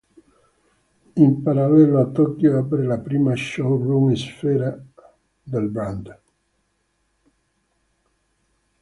In parallelo, a Tokyo, apre la prima show room estera del brand.